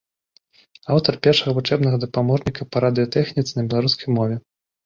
Аўтар першага вучэбнага дапаможніка па радыётэхніцы на беларускай мове.